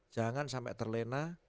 jangan sampai terlena